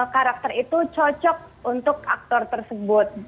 karakter itu cocok untuk aktor tersebut